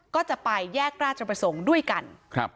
ก็จะไปแยกราชประสงค์ด้วยกัน